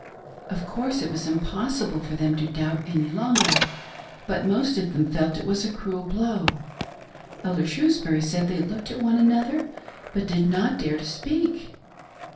Of course it was impossible for them to doubt any longer, but most of them felt it was a cruel blow. Elder Shrewsbury said they looked at one another, but did not dare to speak.